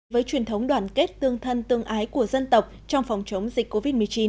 với truyền thống đoàn kết tương thân tương ái của dân tộc trong phòng chống dịch covid một mươi chín